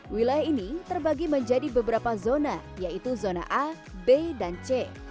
wilayah ini terbagi menjadi beberapa zona yaitu zona a b dan c